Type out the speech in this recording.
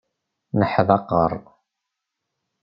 Neḥdaqer.